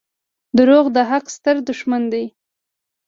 • دروغ د حق ستر دښمن دي.